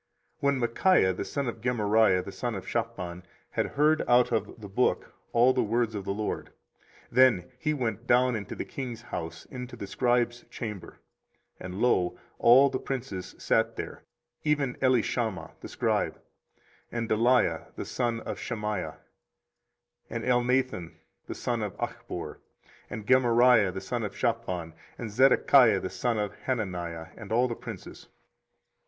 24:036:011 When Michaiah the son of Gemariah, the son of Shaphan, had heard out of the book all the words of the LORD, 24:036:012 Then he went down into the king's house, into the scribe's chamber: and, lo, all the princes sat there, even Elishama the scribe, and Delaiah the son of Shemaiah, and Elnathan the son of Achbor, and Gemariah the son of Shaphan, and Zedekiah the son of Hananiah, and all the princes.